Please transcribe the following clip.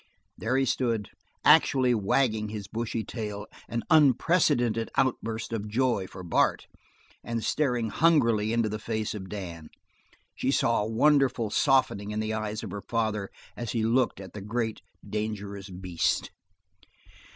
There he stood, actually wagging his bushy tail an unprecedented outburst of joy for Bart! and staring hungrily into the face of Dan. She saw a wonderful softening in the eyes of her father as he looked at the great, dangerous beast.